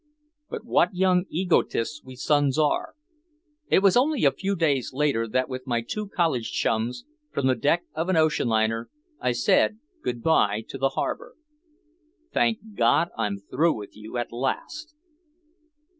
But what young egotists we sons are. It was only a few days later that with my two college chums, from the deck of an ocean liner, I said good by to the harbor. "Thank God I'm through with you at last."